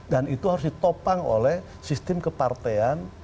dan itu harus ditopang oleh sistem kepartean